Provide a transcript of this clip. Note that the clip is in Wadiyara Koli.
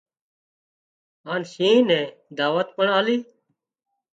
هانَ شينهن نين دعوت پڻ آلي